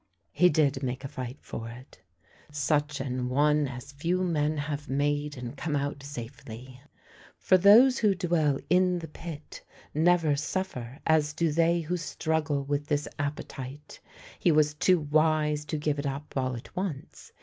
He did make a fight for it, such an one as few men have made and come out safely. For those who dwell in the Pit never sufifer as do they who struggle with this appetite. He was too wise to give it up all at once.